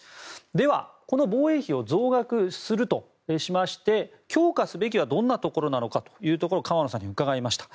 では、この防衛費を増額するとしまして強化すべきはどんなところなのかというところを河野さんに伺いました。